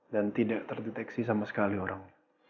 dan tidak terdeteksi sama sekali orang